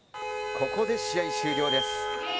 ここで試合終了です。